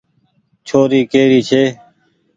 ڇوري ڪي ري ڇي۔